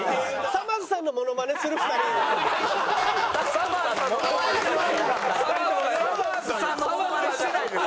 さまぁずさんのモノマネしてないです。